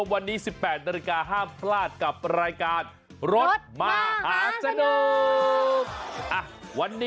วันนี้๑๘นาฬิกาห้ามพลาดกับรายการรถมหาสนุก